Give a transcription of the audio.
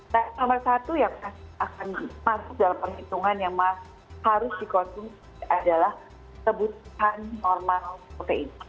nah nomor satu yang akan masuk dalam penghitungan yang harus dikonsumsi adalah kebutuhan normal seperti ini